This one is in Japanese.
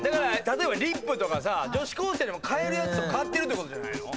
例えばリップとかさ女子高生でも買えるやつを買ってるってことじゃないの？